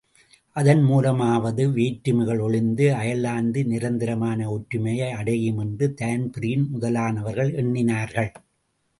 அதன் மூலமாவது வேற்றுமைகள் ஒழிந்து அயர்லாந்து நிரந்தரமான ஒற்றுமையை அடையுமென்று தான்பிரீன் முதலானவர்கள் எண்ணினார்கள்.